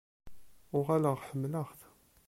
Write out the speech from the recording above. Uɣaleɣ ḥemmleɣ-t.